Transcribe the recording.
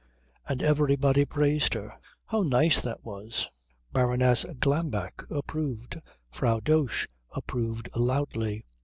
And everybody praised her. How nice that was! Baroness Glambeck approved, Frau Dosch approved loudly.